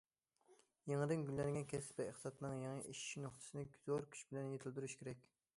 يېڭىدىن گۈللەنگەن كەسىپ ۋە ئىقتىسادنىڭ يېڭى ئېشىش نۇقتىسىنى زور كۈچ بىلەن يېتىلدۈرۈش كېرەك.